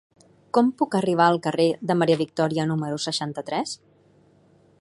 Com puc arribar al carrer de Maria Victòria número seixanta-tres?